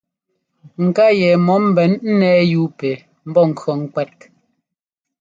Ŋká yɛ mɔ ḿbɛn ńnɛ́ɛ yúu pɛ mbɔ́ŋkʉɔ́ ŋ́kwɛ́t.